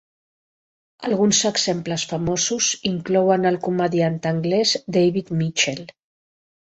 Alguns exemples famosos inclouen el comediant anglès David Mitchell.